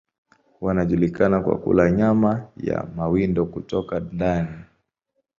Wanajulikana kwa kula nyama ya mawindo kutoka ndani.